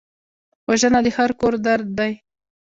وژنه د هر کور درد دی